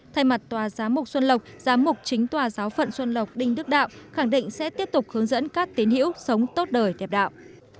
thay mặt tòa giám mục xuân lộc giám mục chính tòa giáo phận xuân lộc đinh đức đạo khẳng định sẽ tiếp tục hướng dẫn các tín hiểu sống tốt đời đẹp đạo